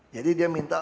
jadi dia menyelesaikan